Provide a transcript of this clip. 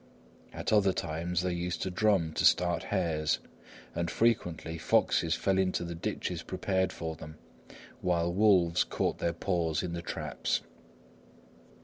At other times they used a drum to start hares; and frequently foxes fell into the ditches prepared for them, while wolves caught their paws in the traps.